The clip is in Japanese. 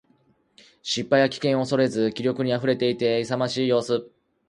失敗や危険を恐れず気力に溢れていて、勇ましい様子。